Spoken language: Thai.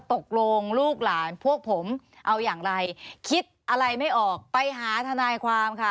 ตกลงลูกหลานพวกผมเอาอย่างไรคิดอะไรไม่ออกไปหาทนายความค่ะ